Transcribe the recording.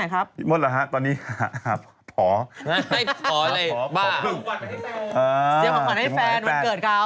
อ่าจะฝากวันให้แฟนวันเกิดเขา